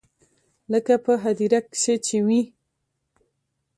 لکه په هديره کښې چې وي.